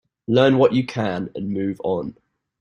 Learn what you can and move on.